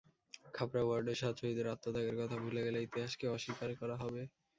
খাপড়া ওয়ার্ডের সাত শহীদের আত্মত্যাগের কথা ভুলে গেলে ইতিহাসকেও অস্বীকার করা হবে।